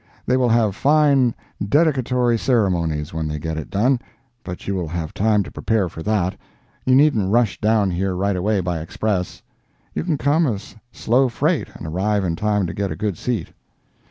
They will have fine dedicatory ceremonies when they get it done, but you will have time to prepare for that—you needn't rush down here right away by express. You can come as slow freight and arrive in time to get a good seat.